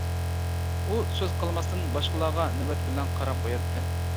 ئۇ سۆز قىلماستىن باشقىلارغا نۆۋەت بىلەن قاراپ قوياتتى.